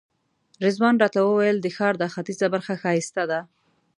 رضوان راته وویل د ښار دا ختیځه برخه ښایسته ده.